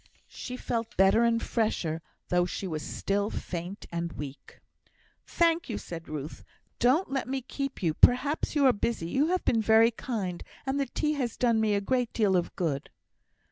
She felt better and fresher, though she was still faint and weak. "Thank you," said Ruth. "Don't let me keep you; perhaps you are busy. You have been very kind, and the tea has done me a great deal of good."